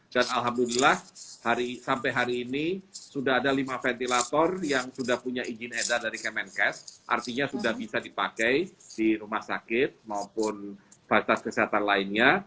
dan alhamdulillah sampai hari ini sudah ada lima ventilator yang sudah punya izin edar dari kemenkes artinya sudah bisa dipakai di rumah sakit maupun fasilitas kesehatan lainnya